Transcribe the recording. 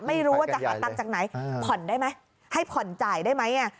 ไม่รู้ว่าจะหาตังค์จากไหนผ่อนได้ไหมให้ผ่อนจ่ายได้ไหม